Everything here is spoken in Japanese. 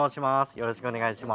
よろしくお願いします。